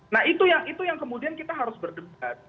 nah itu yang kemudian kita harus berhati hati